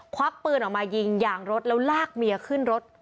ควักปืนออกมายิงยางรถแล้วลากเมียขึ้นรถ